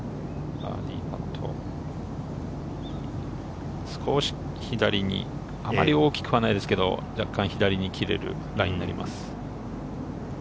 バーディーパット、少し左に、あまり大きくはないですが若干、左に切れるラインになります。